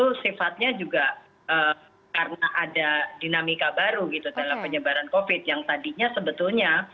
itu sifatnya juga karena ada dinamika baru gitu dalam penyebaran covid yang tadinya sebetulnya